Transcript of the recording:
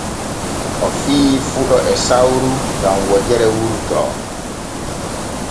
O fiyi fuɗo e sawru gam wojere wurto.